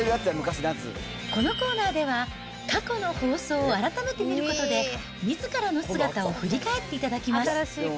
このコーナーでは、過去の放送を改めて見ることで、みずからの姿を振り返っていただきます。